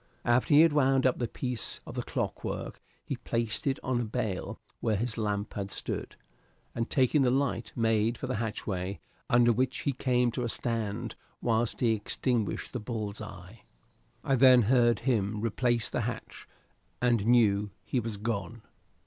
After he had wound up the piece of clockwork he placed it on the bale where his lamp had stood, and taking the light made for the hatchway, under which he came to a stand whilst he extinguished the bull's eye. I then heard him replace the hatch, and knew he was gone.